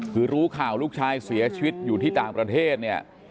คือรู้ข่าวลูกชายเสียชีวิตอยู่ที่ต่างประเทศเนี่ย